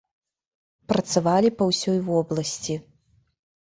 Працавалі па ўсёй вобласці.